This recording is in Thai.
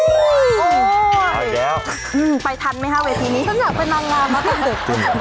โอ้โหไปแล้วไปทันไหมคะเวทีนี้ฉันอยากเป็นนางงามมาตั้งแต่เด็ก